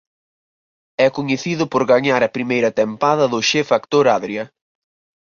É coñecido por gañar a primeira tempada do X Factor Adria.